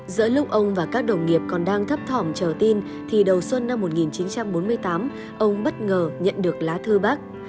giữa lúc ông và các đồng nghiệp còn đang thấp thỏm trở tin thì đầu xuân năm một nghìn chín trăm bốn mươi tám ông bất ngờ nhận được lá thư bác